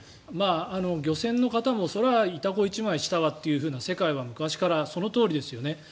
漁船の方もそれは板一枚下はという世界が昔からそのとおりですよね。